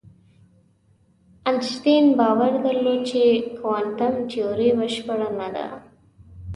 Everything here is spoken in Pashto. انشتین باور درلود چې کوانتم تیوري بشپړه نه ده.